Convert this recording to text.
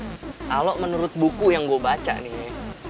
kalau menurut buku yang gue baca nih